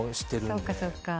そうかそうか。